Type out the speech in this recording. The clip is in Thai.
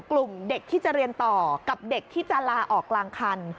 เด็กที่จะเรียนต่อกับเด็กที่จะลาออกกลางคัน